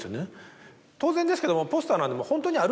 当然ですけども。